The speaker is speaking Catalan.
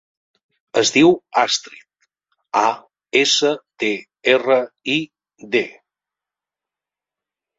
Es diu Astrid: a, essa, te, erra, i, de.